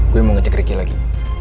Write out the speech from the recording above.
gue mau ngecek ricky lagi